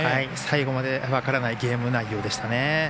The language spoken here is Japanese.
最後まで分からないゲーム内容でしたね。